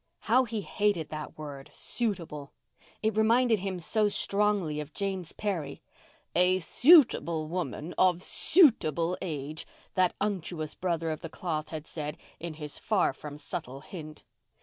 How he hated that word "suitable." It reminded him so strongly of James Perry. "A suit able woman of suit able age," that unctuous brother of the cloth had said, in his far from subtle hint.